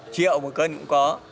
triệu một cân cũng có